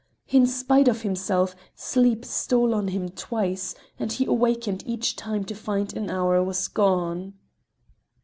In spite of himself, sleep stole on him twice, and he awakened each time to find an hour was gone.